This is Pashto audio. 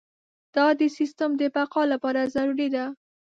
دا د سیستم د بقا لپاره ضروري ده.